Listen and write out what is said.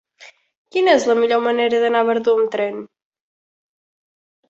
Quina és la millor manera d'anar a Verdú amb tren?